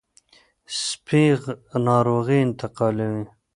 سپي ناروغي انتقالوي.